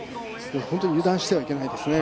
本当に油断してはいけないですね。